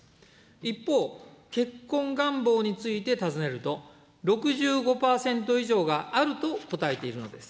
一方、結婚願望について尋ねると、６５％以上があると答えているのです。